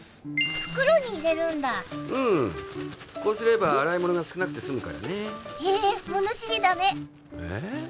袋に入れるんだうんこうすれば洗い物が少なくてすむからねへ物知りだねえ？